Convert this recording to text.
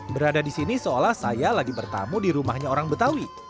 berada di sini seolah saya lagi bertamu di rumahnya orang betawi